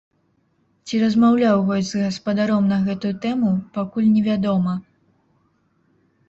Ці размаўляў госць з гаспадаром на гэту тэму, пакуль не вядома.